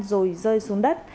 rồi rơi xuống đất